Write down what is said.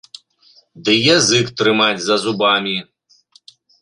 Ды язык трымаць за зубамі!